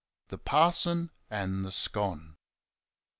The Parson and the Scone.